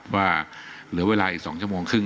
ว่าเหลือเวลาอีก๒ชั่วโมงครึ่ง